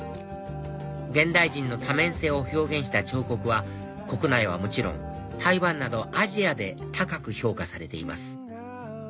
現代人の多面性を表現した彫刻は国内はもちろん台湾などアジアで高く評価されています